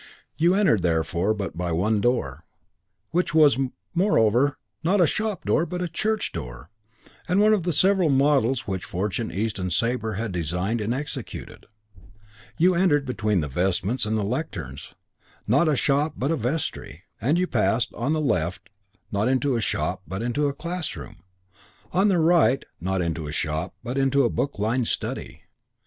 You entered therefore by but one door, which was, moreover, not a shop door but a church door and one of the several models which Fortune, East and Sabre had designed and executed; you entered, between the vestments and the lecterns, not a shop but a vestry; and you passed, on the left, not into a shop but into a classroom, and on the right not into a shop but into a book lined study.